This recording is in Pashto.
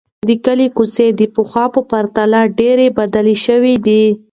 د کلي کوڅې د پخوا په پرتله ډېرې بدلې شوې دي.